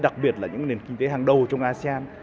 đặc biệt là những nền kinh tế hàng đầu trong asean